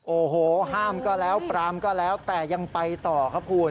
โอ้โหห้ามก็แล้วปรามก็แล้วแต่ยังไปต่อครับคุณ